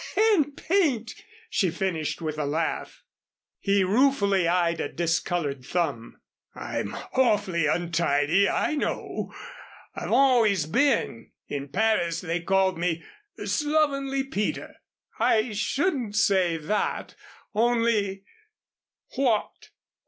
" and paint," she finished with a laugh. He ruefully eyed a discolored thumb. "I'm awfully untidy, I know. I've always been. In Paris they called me Slovenly Peter." "I shouldn't say that only " "What?"